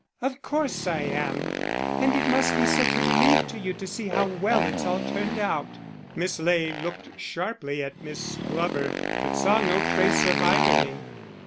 "Of course I am." "And it must be such a relief to you to see how well it's all turned out." Miss Ley looked sharply at Miss Glover, but saw no trace of irony.